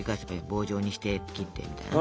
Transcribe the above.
棒状にして切ってみたいな。